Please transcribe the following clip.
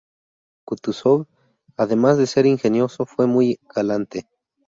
Kutúzov, además de ser ingenioso, fue muy galante.